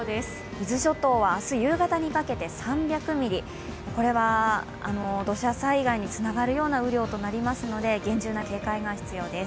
伊豆諸島は明日夕方にかけて３００ミリ、これは土砂災害につながるような雨量となりますので、厳重な警戒が必要です。